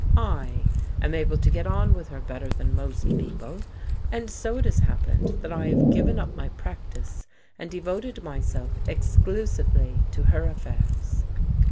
I am able to get on with her better than most people, and so it has happened that I have given up my practice and devoted myself exclusively to her affairs."